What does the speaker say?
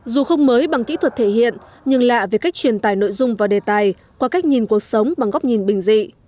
dù không mới bằng kỹ thuật thể hiện nhưng lạ về cách truyền tải nội dung và đề tài qua cách nhìn cuộc sống bằng góc nhìn bình dị